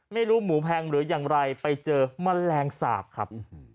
ไม่รู้หมูแพงหรืออย่างไรไปเจอแมลงสาปครับ